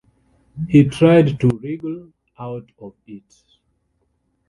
He tried to wriggle out of it.